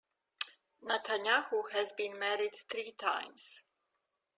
Netanyahu has been married three times.